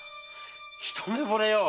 一目ぼれよ。